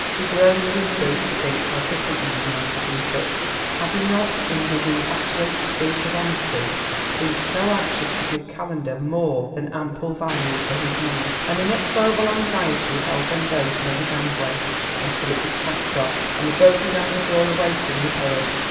He groaned in spirit to think how differently he might have been fixed, had he not in his infatuated spirit of honesty been so anxious to give Calendar more than ample value for his money! An inexorable anxiety held them both near the gangway until it was cast off and the boat began to draw away from the pier.